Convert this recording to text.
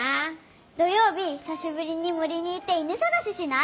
土曜日ひさしぶりにもりに行って犬さがししない？